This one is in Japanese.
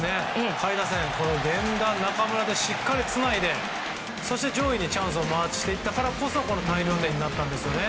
下位打線源田、中村でしっかりつないでそして上位にチャンスを回していったからこそ大量点になったんですよね。